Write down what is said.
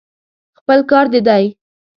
خپل کار دې دی.